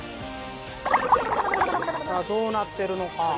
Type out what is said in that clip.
さあどうなってるのか？